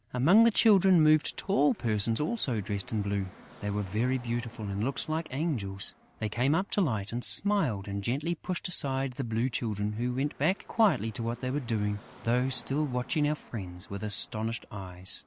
Among the Children moved tall persons also dressed in blue: they were very beautiful and looked just like angels. They came up to Light and smiled and gently pushed aside the Blue Children, who went back quietly to what they were doing, though still watching our friends with astonished eyes.